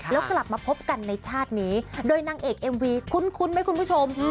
แล้วกลับมาพบกันในชาตินี้โดยนางเอกเอ็มวีคุ้นไหมคุณผู้ชม